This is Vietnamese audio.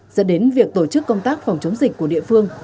dẫn đến việc tổ chức công tác phòng chống dịch của địa phương